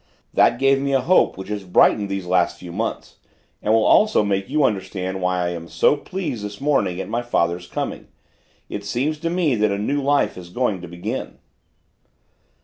That gave me a hope which has brightened these last few months, and will also make you understand why I am so pleased this morning at my fathers coming. It seems to me that a new life is going to begin."